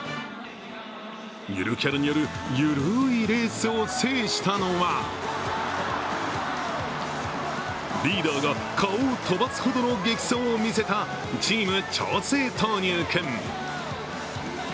ゆるキャラによるゆるいレースを制したのはリーダーが顔を飛ばすほどの激走を見せたチーム・ちょうせい豆乳くん。